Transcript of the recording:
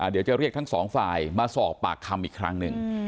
เดี๋ยวจะเรียกทั้งสองฝ่ายมาสอบปากคำอีกครั้งหนึ่ง